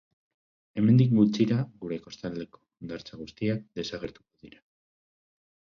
Hemendik gutxira gure kostaldeko hondartza guztiak desagertuko dira.